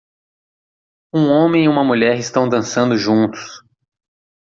Um homem e uma mulher estão dançando juntos